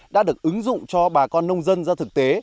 đã được ứng dụng cho bà con nông dân ra thực tế